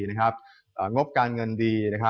งบการเงินดี